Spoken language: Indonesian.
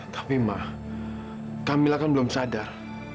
tapi ma kamilah kan belum sadar